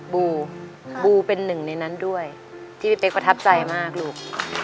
บูบูเป็นหนึ่งในนั้นด้วยที่พี่เป๊กประทับใจมากลูก